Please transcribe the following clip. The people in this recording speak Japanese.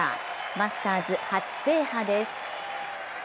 マスターズ初制覇です。